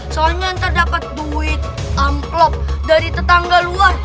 soalnya ntar dapat duit amplop dari tetangga luar